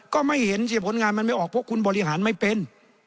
ก็ไม่เห็นเสียผลงานมันไม่ออกเพราะคุณบริหารไม่เป็น